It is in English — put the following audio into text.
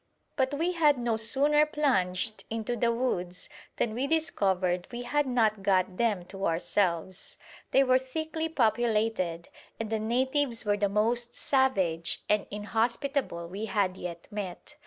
But we had no sooner plunged into the woods than we discovered we had not got them to ourselves. They were thickly populated, and the natives were the most savage and inhospitable we had yet met.